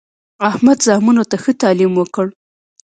احمد زامنو ته ښه تعلیم وکړ.